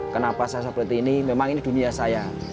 kenapa saya seperti ini memang ini dunia saya